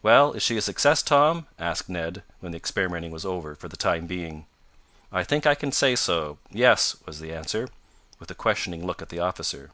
"Well, is she a success, Tom?" asked Ned, when the experimenting was over for the time being. "I think I can say so yes," was the answer, with a questioning look at the officer.